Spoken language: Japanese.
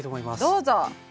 どうぞ！